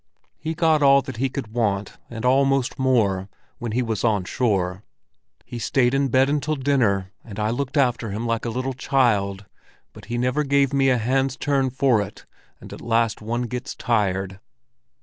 "He got all that he could want, and almost more, when he was on shore. He stayed in bed until dinner, and I looked after him like a little child; but he never gave me a hand's turn for it, and at last one gets tired."